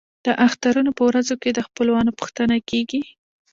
د اخترونو په ورځو کې د خپلوانو پوښتنه کیږي.